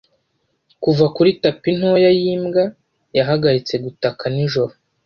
kuva kuri tapi ntoya yimbwa. yahagaritse gutaka nijoro